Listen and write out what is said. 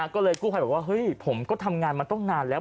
ก็เลยกู้ภัยบอกว่าเฮ้ยผมก็ทำงานมาตั้งนานแล้ว